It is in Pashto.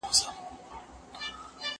بيزو وان پكښي تنها ولاړ هك پك وو